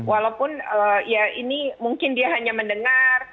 walaupun ya ini mungkin dia hanya mendengar